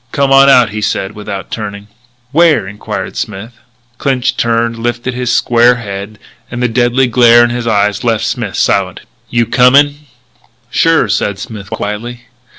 "Come on out," he said without turning. "Where?" enquired Smith. Clinched turned, lifted his square head; and the deadly glare in his eyes left Smith silent. "You comin'?" "Sure," said Smith quietly.